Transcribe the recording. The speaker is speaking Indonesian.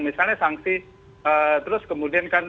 misalnya sanksi terus kemudian kan